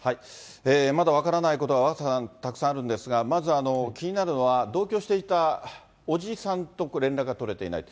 まだ分からないことが若狭さん、たくさんあるんですが、まず気になるのは、同居していた伯父さんと連絡が取れていないと。